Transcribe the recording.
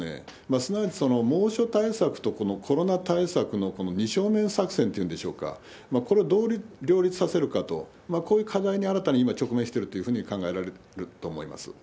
すなわち猛暑対策とこのコロナ対策の、この二正面作戦というんでしょうか、これをどう両立させるかと、こういった課題に新たに今、直面してるというふうに考えられると思います。